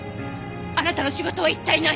あなたの仕事は一体何？